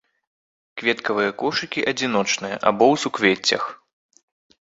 Кветкавыя кошыкі адзіночныя або ў суквеццях.